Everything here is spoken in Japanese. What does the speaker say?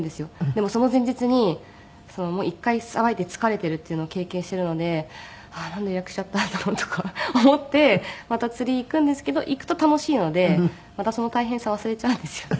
でもその前日に一回さばいて疲れているっていうのを経験しているのでなんで予約しちゃったんだろうとか思ってまた釣り行くんですけど行くと楽しいのでまたその大変さ忘れちゃうんですよね。